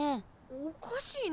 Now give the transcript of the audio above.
おかしいな。